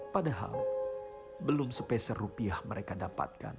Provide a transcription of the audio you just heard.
padahal belum sepeser rupiah mereka dapatkan